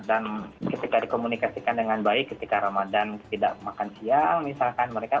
dan ketika dikomunikasikan dengan baik ketika ramadhan tidak makan siang misalkan mereka